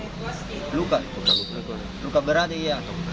luka luka berat ya